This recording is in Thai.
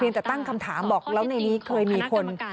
จะตั้งคำถามบอกแล้วในนี้เคยมีคน